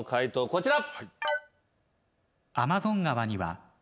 こちら。